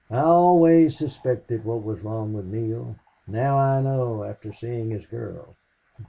I always suspected what was wrong with Neale. Now I know after seeing his girl."